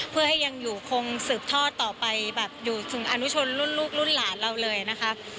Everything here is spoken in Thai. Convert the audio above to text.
เพื่อให้ยังอยู่คงสืบทอดต่อไปแบบอยู่ถึงอนุชนรุ่นลูกรุ่นหลานเราเลยนะคะ